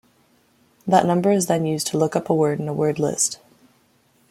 That number is then used to look up a word in a word list.